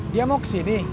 dia mau kesini